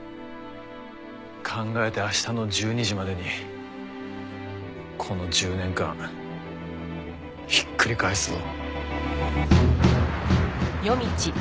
考えて明日の１２時までにこの１０年間ひっくり返すぞ。